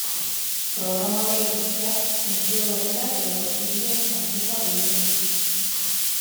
Programa horiek guztiak funtzio berberak edo Siriren antzekoak egiten dituzte.